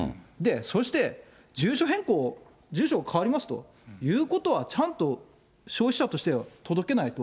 そして住所変更、住所変わりますよということはちゃんと消費者としては届けないと。